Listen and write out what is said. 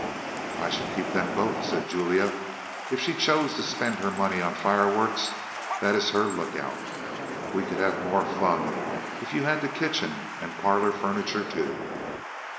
"I should keep them both," said Julia. "If she chose to spend her money on fireworks, that is her lookout. We could have more fun if you had the kitchen and parlour furniture, too."